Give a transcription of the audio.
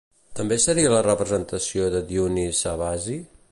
També seria la representació de Dionís Sabazi?